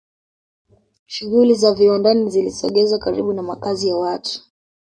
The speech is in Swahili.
shughuli za viwandani zilisogezwa karibu na makazi ya watu